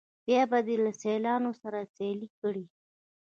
بیا به دې له سیالانو سره سیال کړي.